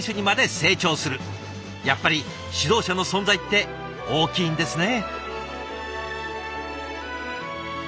やっぱり指導者の存在って大きいんですね。